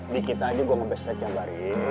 dikit aja gue ngebeset cabarin